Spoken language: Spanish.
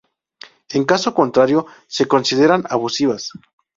En caso contrario, se consideran abusivas.